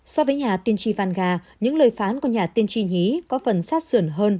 so với nhà tiên tri vanga những lời phán của nhà tiên tri nhí có phần sát sườn hơn